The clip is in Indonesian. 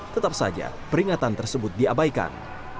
tetap saja peringatan tersebut diabaikan